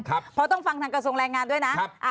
เพราะต้องฟังทางกระทรวงแรงงานด้วยนะ